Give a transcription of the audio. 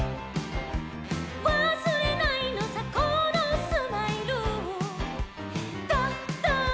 「わすれないのさこのスマイル」「ドド」